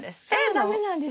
駄目なんですか？